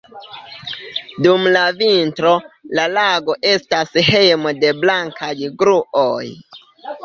Dum la vintro, la lago estas hejmo de blankaj gruoj.